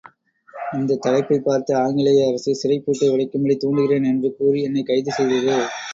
இந்தத் தலைப்பைப் பார்த்த ஆங்கிலேய அரசு, சிறைப்பூட்டை உடைக்கும்படி தூண்டுகிறேன் என்று கூறி என்னைக் கைது செய்தது.